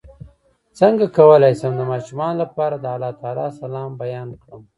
څنګه کولی شم د ماشومانو لپاره د الله تعالی سلام بیان کړم